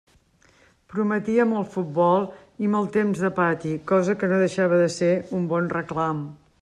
Prometia molt futbol i molt temps de pati, cosa que no deixava de ser un bon reclam.